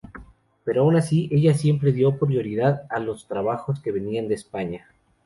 Pero aun así, ella siempre dio prioridad a los trabajos que venían de España.